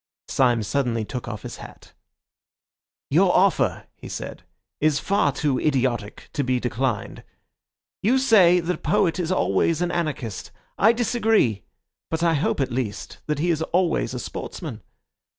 Syme suddenly took off his hat. "Your offer," he said, "is far too idiotic to be declined. You say that a poet is always an anarchist. I disagree; but I hope at least that he is always a sportsman.